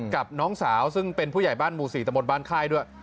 กับน้องสาวซึ่งเป็นผู้ใหญ่บ้านหมู่๔ตะบนบ้านค่ายด้วย